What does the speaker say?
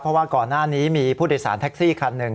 เพราะว่าก่อนหน้านี้มีผู้โดยสารแท็กซี่คันหนึ่ง